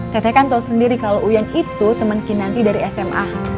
teh teh kan tau sendiri kalau uyan itu temen kinanti dari sma